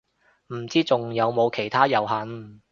唔知仲有冇其他遊行